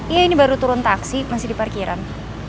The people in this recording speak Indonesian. iya ini baru turun taksi masih di parkiran